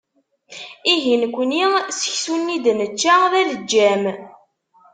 Ihi! Nekkni, seksu-nni i d-nečča d aleǧǧam.